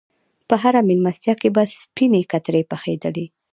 په هره میلمستیا کې به سپینې کترې پخېدلې.